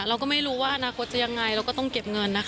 เราก็ไม่รู้ว่าอนาคตจะยังไงเราก็ต้องเก็บเงินนะคะ